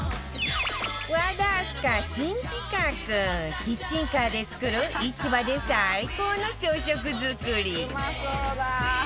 和田明日香新企画キッチンカーで作る市場で最高の朝食作り